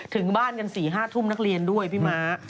ถึงบ้านกัน๔๕ทุ่มนักเรียนด้วยพี่ม้า